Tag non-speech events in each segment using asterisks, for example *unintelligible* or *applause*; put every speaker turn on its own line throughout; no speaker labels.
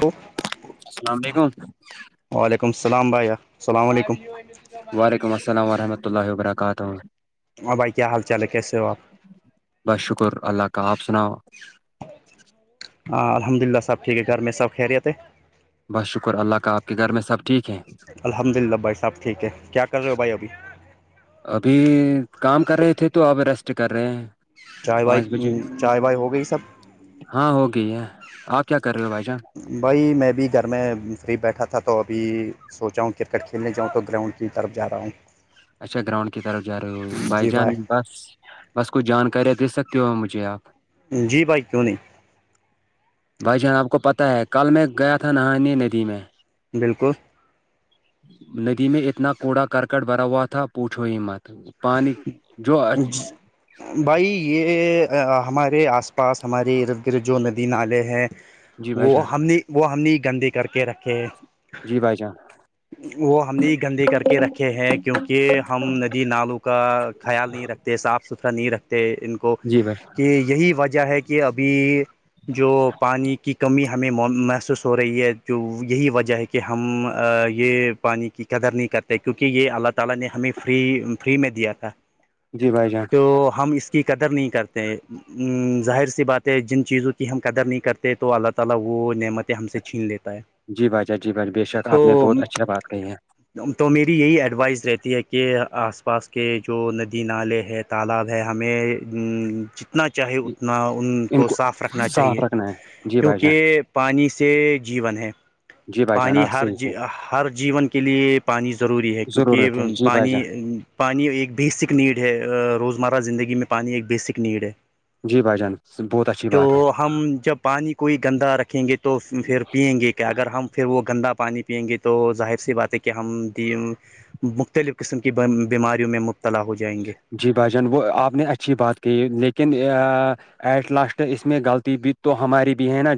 تو
اللام علیکم
وعلیکم السلام بھیا السلام علیکم
وعلیکم السلام ورحمۃ اللہ وبرکاتہ
اور بھائی کیا حال چال ہے کیسے ہو آپ
بس شکر اللہ کا آپ سناؤ
ہاں الحمد للہ سب ٹھیک ہے گھر میں سب خیریت ہے
بس شکر اللہ کا آپ کے گھر میں سب ٹھیک ہیں
الحمد للہ بھائی صاح ٹھیک ہے کیا کر رہے ہو بھائی ابھی
ابھی کام کر رہے تھے تو اپ ریسٹ کر رہے ہیں
چائے وائے
پانچ بجے
چائے وائے ہو گئی سب
ہاں ہو گئی ہے آپ کیا کر رہے ہو بھائی جان
بھائی میں بھی گھر میں فری بیٹھا تھا تو ابھی سوچا ہوں کرکٹ کھیلنے جاں تو گراؤنڈ کی طرف جا رہا ہوں
اچھا گراؤنڈ کی طرف جا رہے ہو بائی
جی
جان
بھائی
بس بس کچھ جانکاریاں دے سکتی ہو مجھے آپ
جی بھائی کیوں نہیں
بھائی جان آپ کو پتاہ ہے کل میں گیا تھا نہانے ندی میں
بالکل
ندی میں اتنا کوڑا کرکٹ بھرا ہوا تھا پوچھو ہی مت پانی جو
بھائی یہ ہمارے آس پاس ہمارے ارد گرد جو ندی نالے ہیں
جی بھائی جان
وہ ہم نے وہ ہم نے گندی کر کے رکھے
جی بھائی جان
وہ ہم نے گندے کر کے رکھے ہیں کیونکہ ہم ندی نالوں کا خیال نہیں رکھتے صاف ستھرا نہیں رکھتے ان کو
جی بھائی
کہ یہی وجہ ہے کہ کہ ابھی جو پانی کی کمی ہے ہمیں محسوس ہو رہی ہے جو یہی وجہ ہے کہ ہم یہ پانی کی *unintelligible*
جی بھائی جان
تو ہم اس کی قدر نہیں کرتے ا
جی باجا جی باجا بے شک آپ نے بہت اچھا بات کہی ہے
تو میری یہی ایڈوائس رہتی ہے کہ آ پاس کے جو ندی نالے ہے تالاب ہے ہمیں اتنا چاہے اتنا ان کو صاف رکھنا
صاف
چاہیے
رکھنا ہے جی بھائی جان
کیونکہ پانی سے جیون ہے
جی بھائی جان
پانی
آپ
ہر
صحیح
ج
سے
ہر جیون کے لیے پانی ضروری ہے کیونکہ
ضرورت ہے جی بھائی
پانی
جان
پانی ایک بیسک نیڈ ہے روزمرہ زندگی میں پانی ایک بیسک نیڈ ہے
جی بھائی جان بہت اچھی
تو
بات ہے
ہم جب پانی کوئی گندا رکھیں گے تو پھر پیئیں گے کہ اگر ہم پھر وہ گندا پانی پیئیں گے تو ظاہر سی بات ہے کہ ہم د مختلف قسم کی بیماریوں میں مبتلا ہو جائیں گے
جی بھائی جان وہ آپ نے اچھی بات کہ لیکن ایٹ لاسٹ اس میں غلطی بھی تو ہماری بھی ہے نا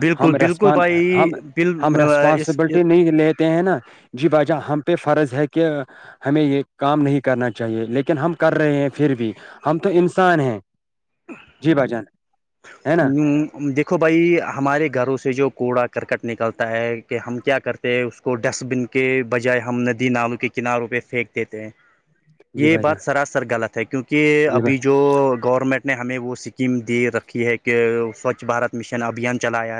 بالکل
ہم
بالکل
رسپان
بھائی
ہم
بل
ہم
اس
ریسپانسبلٹی نہیں لیتے ہیں نا جی باجا ہم پہ فرض ہے کہ ہمیں یہ کام نہیں کرنا چاہ چاہیے لیکن ہم کر رہے ہیں پھر بھی ہم تو انسان ہیں جی بھ جان ہے نا
دیکھو بھائی ہمارے گھروں سے جو کوڑا کرکٹ نکلتا ہے کہ ہم کیا کرتے پہ اس کو ڈسٹ بن کے بجائے ہم ندی نال کے کناروں پہ پھینک دیتے ہیں
جی
یہ
بھائی جان
بات سراسر غلط ہے کیونکہ
جی بھائی
ابھی جو جو گورنمنٹ نے ہمیں وہ سکیم دے رکھی ہے کہ سوچھ بھارت مشن ابھیان چلایا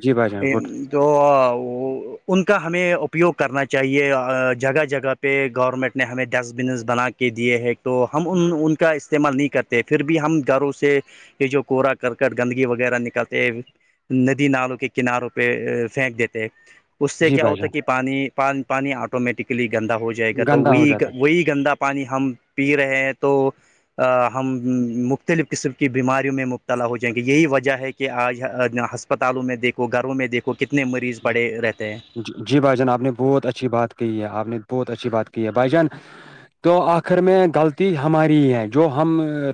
جی بھائی جان گڈ
جو وہ ان کا ہمیں اپیوگ کرنا چاہیے جگہ جگہ پہ گورنمنٹ نے ہمیں ڈسٹ بنس بنا کے کے دیے ہیں تو ہم ان ان کا استعمال نہیں کرتے پھر بھی ہم گھروں سے جو کوورا کرکٹ گندگی وغیرہ نکالتے ندی نالوں کے کناروں پہ پھینک دیتے اس سے
جی
کیا
بھائی
ہوتا ہے
جان
کہ پانی پانی آٹومیٹکلی گندا ہو جائے گا تو
گندا ہو
وہی
جاتا
وہی گندا پانی ہم پی رہے ہیں تو ہم مختلف قسم کی بیماریوں میں تلا ہو جائیں گے یہی وجہ ہے کہ آج ہسپتالوں میں دیکھو گھروں میں دیکھو کو کتنے مریض
ہے جی
پڑے رہتے ہیں
جی بھائی جان آپ نے بہت اچھی بات کہ ہے آپ نے بہت اچھی بات کی ہے بھائی جان تو آخر میں غلطی ہماری ہی ہے جو ہم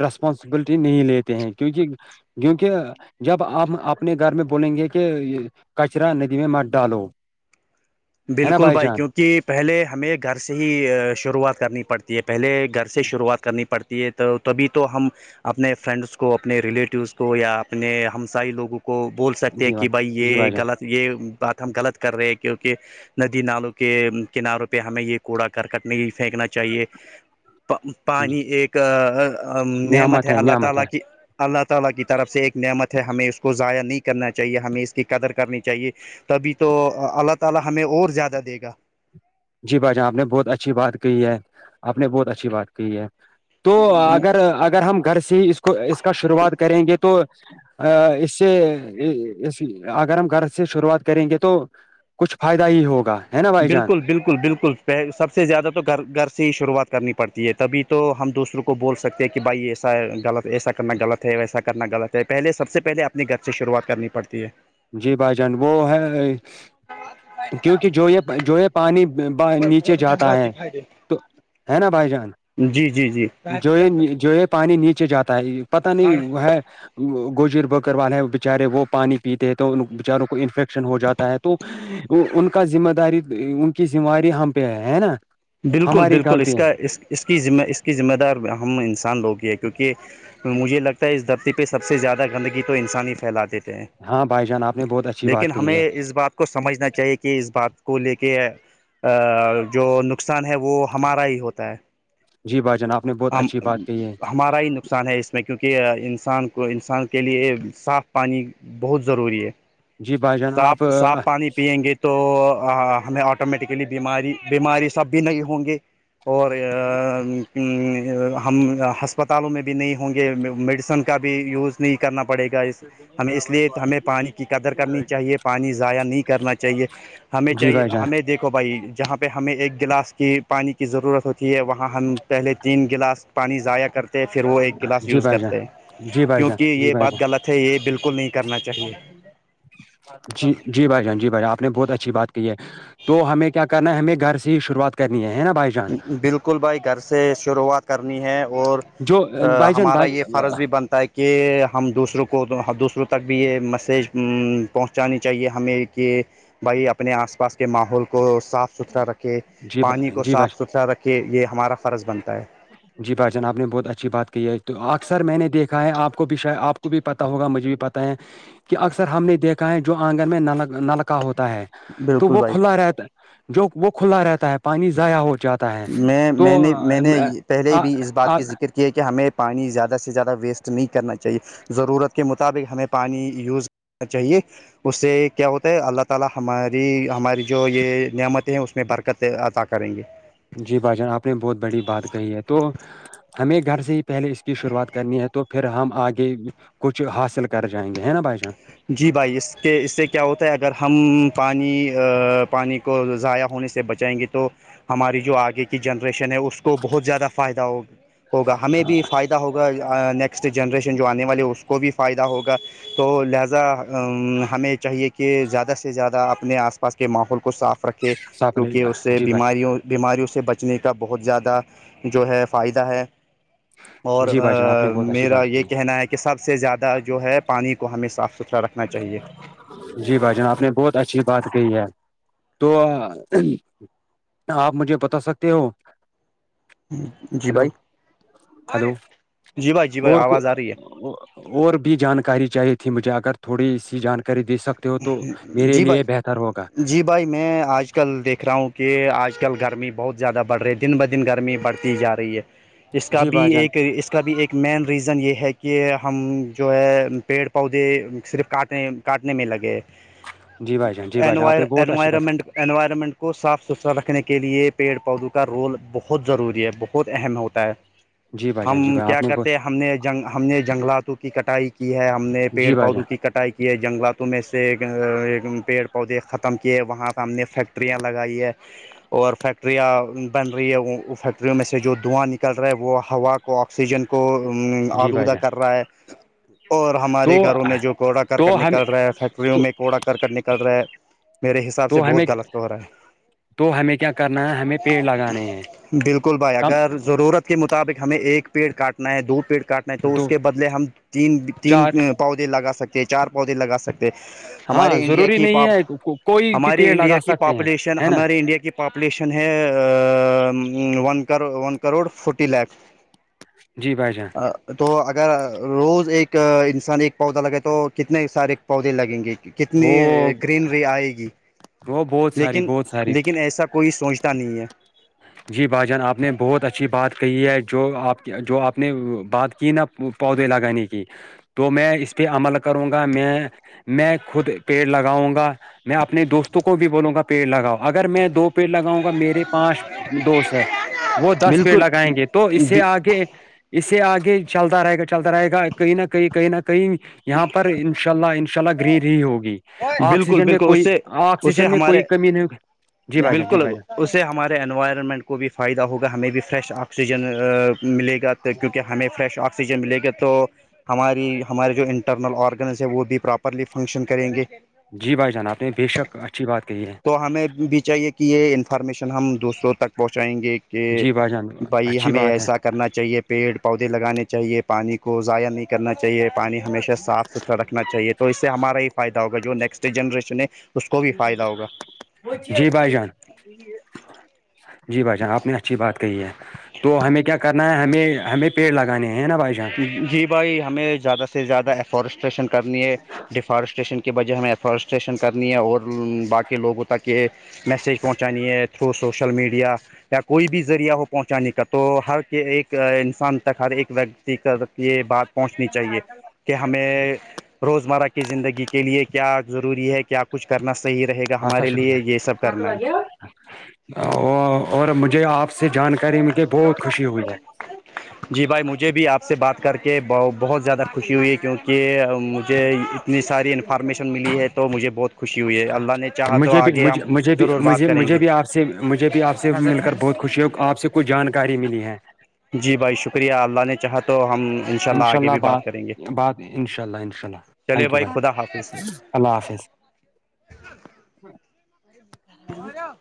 رسپانسبلٹی نہیں لیتے ہیں کیونکہ کیونکہ جب آپ اپنے گھر میں بولیں گے کہ کچرا نہیں میں مت ڈالو ہے نا
بالکل بھائی
جان
کیونکہ پہلے ہمیں گھر سے ہی شروعات کرنی پڑتی یہ پہلے گھر سے شروعات کرنی پڑتی ہے تو تبھی تو ہم اپنے فرینڈس کو اپنے ریلیٹوس کو یا اپنے ہمسائی لوگوں کو کو بول سکتے
جی
کہ بھائی یہ غلط یہ بات ہم غلط کر رہے ہیں کہ کہ ندی نالوں کے کناروں پہ ہمیں یہ کوڑا کرکٹنے پھینکنا چاہیے
جان
پانی ایک نعمت ے
ہے
اللہ
نعمت ہے
تعالی اللہ تعالی کی طرف سے ایک نعمت ہے ہمیں اس کو ضائع نہیں کرنا چاہیے ہمیں اس کی قدر کرنی چاہیے تبھی تو اللہ تعالی ہمیں اور زیادہ دے گا
جی بھ جان آپ نے بہت اچھی بات کہ ہے آپ نے بہت اچھی بات کہ ہے تو اگر اگر ہم گھر سے ہی اس کو اس کا شروعات کریں گے تو ا اس سے اس اگر ہم گھر سے شروعات کریں گے تو کچھ فائدہ ہی ہوگا ہے نا بھائی جان
بالکل بالکل بالکل پہ سب سے زیادہ تو گھر گھر سے ہی شروعات کرنی پڑتی ہے تبھی تو ہم دوسروں کو بول سکتے ہیں کہ بھائی ایسا غلط ایسا کرنا غط ہے ویسا کرنا غلط ہے پہلے سب سے پہلے اپنی ط سے شروعات کرنی پڑتی ہے
جی بھائی جان وہ ہے کیونکہ جو یہ جو یہ پانی نیچے جاتا ہے تو ہے نا بھائی جان
جی جی جی
جو جو پانی نیچے جاتا ہے پت نہیں ہے گوجر بکر والے ہے بےچارے وہ پانی پیتے ہیں تو ان بچاروں کو انفیکشن ہو جاتا ہے تو ان کا ذمہ داری ان کی ذمہ داری ہم پہ ہے ہے نا
بالکل
ہماری
بالکل اس
غلطی
کا
ہے
اس اس کی ذمے اس کی ذمہ دار ہم انسان لوگوں کی ہے کیونکہ مجھے لگتا ہے اس دفتی پہ سب سے زیادہ گندگی تو انسان ہی پھیلا دیتے ہیں
ہاں بھائی جان آپ نے بہت اچھی
لیکن
بات کہ
ہمیں
ہے
اس بات کو سمجھنا چاہیے کہ اس بات کو لے کے جو ن نقصان ہے وہ ہمارا ہی ہوتا ہے
جی بھائی جناب
ہم ہمارا ہی نقصان ہے اس میں کیونکہ انسان کو انسان کے لیے صاف پانی بہت ضروری ہے
جی بھائی جان
صاف
آپ
صاف پانی پیئیں گے تو تو ہمیں آٹومیٹیکلی بیماری بیماری سب بھی نہیں ہوں گے اور ہم ہسپتالوں میں بھی نہیں ہوں گے میڈیسن کا بھی یوز نہیں کرنا پڑے گا اس ہمیں اس لیے ہمیں پانی کی قدر کرنی چاہیے پانی ضائع نہیں کرنا چاہیے ہمیں
جی
چاہیے
بھائی جان
ہمیں دیکھ کو بھائی جہاں پہ ہمیں ایک گلاس کی پانی کی ضرورت ہوتی ہے وہاں ہم پہلے تین گلاس پانی ضائع کر پھر وہ ایک گلاس
جی
یوز
بھائی جان
کرتے ہیں
جی بھائی جان
کیونکہ
جی
یہ
بھائی
بات
جان
غلط ہے یہ بالکل نہیں کرنا چاہیے
جی جی بھائی جان جی بھائی جان آپ نے بہت اچھی بات کی ہے تو ہمیں کیا کرنا ہے ہمیں گھر سے ہی شروعات کرنی ہے نا بھائی جان
بالکل بھائی گھر سے شروعات کرنی ہے اور
جو بھائی جان
ہمارا
بھائی
یہ فرض بھی بنتا ہے کہ کہ ہم دوسروں کو دوسروں تک بھی یہ میسیج پہنچانی چاہیے ہمیں کہ بھائی اپنے آس پاس کے ماحول کو صاف ستھرا رکھے
جی جی
پانی کو
بھائی
صاف زیادہ کہ یہ ہمارا فرض بنتا ہے
جی بھائی جان آپ نے بہت اچھی بات کی ہے تو اکثر میں نے دیکھا ہے آپ کو بھی شاید آپ کو بھی پتہ ہوگا مجھے بھی پتہ ہے کہ اکثر ہم نے دیکھا ہے جو آنگن میں نل نلکا ہوتا ہے تو
بالکل
وہ
بھائی
کھلا رہتا جو وہ کھلا رہتا ہے پانی ضائع ہو جاتا ہے
میں میں نے میں نے پہلے بھی اس بات
تو
کی ذکر کیا کہ ہمیں پانی زیادہ سے زیادہ ویسٹ نہیں کرنا چاہیے ضرورت کے مطابق ہمیں پانی یوز کرنا چاہیے اسے کیا ہوتا ہے اللہ تعالی ہماری ہماری جو یہ نعمتیں ہیں اس میں برکت سے عطا کریں گے
جی بھائی جان آپ نے بہت بڑی بات کہی ہے تو ہمیں گھر سے ہی پہلے اس کی شروعات کرنی ہے تو پھر ہم آگے کچھ حاصل کر جائیں گے ہیں نا بھائی جان
جی بھائی اس کے اس سے کیا ہوتا ہے اگر ہم پانی پانی کو ضائع ہونے سے بچا جائیں گے تو ہماری جو آگے کے جنریشن ہے اس کو بہت زیادہ فائدہ ہو ہوگا ہمیں
ہاں
بھی فائدہ ہوگا نیکسٹ جنریشن جو آنے والے اس کو بھی فائدہ ہوگا تو لہذا ہمیں چاہیے کہ زیادہ سے زیادہ اپنے آس پاس کے ماحول کو صاف رکھ کہ
صاف نے
کیونکہ اس سے
جی بھائی
بیماریوں بیماریوں سے بچنے کا بہت زیادہ جو ہے فائدہ ہے اور
جی بھائی جان آپ نے بہت اچھی
میرا
بات کہی
یہ کہنا ہے کہ کہ سب سے زیادہ جو ہے پانی کو ہمیں صاف ستھرا رکھنا چاہیے
جی بھائی جان آپ نے بہت اچھی بات کہی ہے تو آپ مجھے بتا سکتے ہو
جی
ہلو
بھائی
ہلو
جی بھائی جی بھائی
اور
آواز آ رہی ہے
اور بھی جانکاری چاہیے تھی مجھے اگر تھوڑی سی جان کر دے سکتے ہو تو
ہے
میرے
جی بھائی
لیے بہتر ہوگا
جی بھائی میں آج کل دیکھ رہا ہوں کہ آج کل گرمی بہت زیادہ بڑ رہی ہے دن دن گرمی بڑھ جا رہی ہے اس کا
جی
بھی
بھائی جان
ایک اس کا بھی ایک مین ریزن یہ ہے کہ ہم جو ہے پیڑ پودے صرف کاٹیں کاٹنے میں
جی بھائی جان جی بھائی جان آپ نے بہت اچھی بات
لگےروائرمنٹ انوائرمنٹ کو صاف ستھرا رکھنے کے لیے پیڑ پودوں کا رول بہت ضروری ہے بہت اہم ہوتا ہے
جی بھائی
ہم
جان جی بھائی
کیا
آپ نے بہت
کرتے ہم نے جنگ ہم نے جنگلاتوں کی کٹائی کی ہے ہم نے پیڑ
جی بھائی
پودوں
جان
کی کٹائی کی ہے جنگلاتوں میں سے پیڑ پودے ختم کیے وہاں پہ ہم نے فیکٹریاں لگائی ہے اور فیکٹریاں بن رہی ہے فیکٹریوں میں سے جو دھواں نکل رہا ہے وہ ہوا کو آکسیجن کو
جی بھائی
آلودہ
جان
کر رہا ہے اور
تو
ہمارے گھروں میں جو کوڑا
تو
کرکٹ نک
ہمیں
کرل رہا ہے فیکٹریوں
تو
میں کوڑا کرکٹ نکل رہا ہے میرے حساب سے
تو ہمیں
بہت غلط ہو رہا ہے
تو ہمیں کیا کرنا ہے ہمیں پیڑ لگانے ہیں
بالکل بھائی
کم
اگر ضرورت کے مطابق ہمیں ایک پیڑ کاٹنا ہے دو پیڑ کاٹنا ہے تو اس
دو
کے بدلے ہم تین تین
چار
پودے لگا سکے چار پودے لا سکتے
ہاں
ہمارے انڈیا
ضروری
کی
نہیں ہے کوئی بھی
ہماراری
پیڑ
انڈیا
لگا
کی
سکتے ہیں
پاپولیشن
ہے نا
ہمارے انڈیا کی پاپولیشن ہے one one crore forty lakh
جی بھائی جان
تو اگر روز ایک انسان ایک پودا لگے تو کتنے سارے پودے لگیں گے کتنی
وہ
گرینری آئے گی
وہ بہت ساری
لیکن
بہت ساری
لیکن ایسا کوئی سوچتا نہیں ہے
جی بھائی جان آپ نے بہت اچھی بات کہی ہے جو آپ جو آپ نے بات کی نا پودے لگانے کی تو میں اس پہ عمل کروں گا میں میں خود پیڑ لگاؤں گا میں اپنے دوستوں کو بھی بولوں گا پیڑ لگاؤ اگر میں دو پیڑ لگاں گا میرے پانچ دوست ہے وہ دس پیڑ لگائیں گے تو اس سے
بالکل
آگے اس سے آگے چلتا رہے گا چلتا رہے گا کہیں نہ کہیں کہیں نہ کہیں یہاں پر انشاء اللہ ان شاء اللہ گرین ہی ہوگی
بالکل
آکسیجن میں
بالکل اس
کوئی
سے اس سے
آکسیجن میں
ہمارے
کوئی کمی نہیں ہوگی جی بھائی جان جی
بالکل
بھائی جان
اس سے ہمارے انوائرمنٹ کو بھی فائدہ ہوگا ہمیں بھی فریش آکسیجن ملے گا تو کیونکہ ہمیں فریش آکسیجن ملے گا تو ہماری ہمارے جو انٹرنل آرگنس ہے وہ بھی پراپرلی فنکشن کریں گے
جی بھائی جناتے ہیں بے شک اچھی بات کہی ہے
تو ہمیں بھی چاہیے کہ یہ انفارمیشن ہم دوسروں تک پہنچائیں گے کہ
جی بھائی جان
بھائی
اچھی
ہمیں
بات ہے
ایسا کرنا چاہیے پیڑ پودے لگانے چاہیے پانی کو ضائع نہیں کرنا چاہیے پانی ہمیشہ صاف ستھرا رکھنا چاہیے تو اس سے ہمارا ہی فائدہ ہوگا جو نیکسٹ جنرشن
جی بھائی جان جی بھائی جان آپ نے اچھی بات کہی ہے تو ہمیں کیا کرنا ہے ہمیں ہمیں پیڑ لگانے ہیں نا بھائی جان
جی بھائی ہمیں زیادہ سے زیادہ ایفارسٹریشن کرنی ہے ڈیفارسٹیشن کی بجہ ہمیں ایفارسٹیشن کرنی ہے اور باقی لوگوں تک یہ میسج پہنچانی ہے تھرو سوشل میڈیا یا کوئی بھی ذریعہ ہو پہنچانے کا تو ہر ایک انسان تک ہر ایک و یہ بات پہنچنی چاہیے کہ ہمیں روزمرہ کی زندگی کے لیے کیا ضروری ہے کیا کچھ کرنا صحیح رہے گا
آپ کا
ہمارے
شکریہ
لیے یہ سب کرنا ہے
اور مجھے آپ سے جانکاری میں کہ بہت خوشی ہوئی ہے
جی بھائی مجھے بھی آپ سے بات کر کے بہت زیادہ خوشی ہوئی ہے کیونکہ مجھے اتنی ساری انفارمیشن ملی ہے تو مجھے بہت خوشی ہوئی ہے اللہ نے چاہا تو
مجھے بھی
آگے ہم
مجھے مجھے بھی
ضرور بات
مجھے
کریں
مجھے
گے
بھی آپ سے مجھے بھی آپ سے مل کر بہت خوشی ہے آپ سے کچھ جانکاری ملی ہے
جی بھائی شکریہ اللہ نے چاہا تو ہم
ان شاء اللہ بات بات ان شاء اللہ ان شاء اللہ
چلے
تھینک یو بھائی
خدا حافظ
اللہ حافظ
بولو